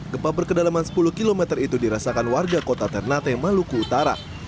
gempa berkedalaman sepuluh km itu dirasakan warga kota ternate maluku utara